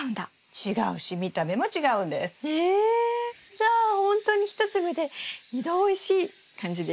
じゃあほんとに１粒で２度おいしい感じですね。